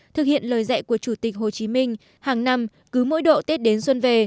thực hiện lời dạy của chủ tịch hồ chí minh hàng năm cứ mỗi độ tết đến xuân về